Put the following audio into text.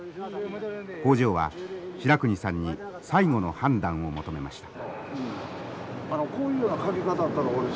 工場は白国さんに最後の判断を求めました。